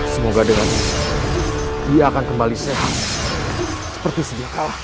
semoga dengan ini dia akan kembali sehat seperti sejak kalah